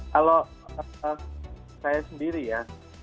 kalau saya sendiri ya